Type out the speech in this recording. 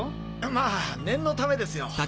まぁ念のためですよ。